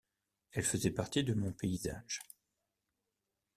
Elle faisait partie de mon paysage.